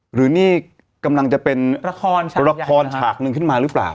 หรือนี่กำลังจะเป็นละครฉากหนึ่งขึ้นมาหรือเปล่า